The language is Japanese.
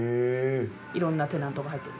いろんなテナントが入ってる。